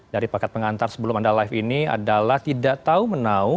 dari paket pengantar sebelum anda live ini adalah tidak tahu menau